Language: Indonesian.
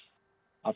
kita tidak tahu